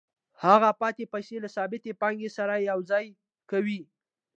هغه پاتې پیسې له ثابتې پانګې سره یوځای کوي